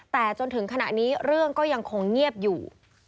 แต่จนถึงขณะนี้เรื่องก็ยังคงเงียบอยู่